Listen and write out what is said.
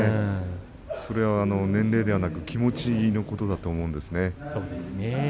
それは年齢ではなく気持ちのことだと思います。